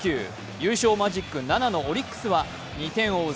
優勝マジック７のオリックスは２点を追う